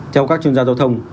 theo các chuyên gia giao thông